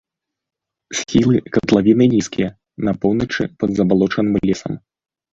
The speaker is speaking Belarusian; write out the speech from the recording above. Схілы катлавіны нізкія, на поўначы пад забалочаным лесам.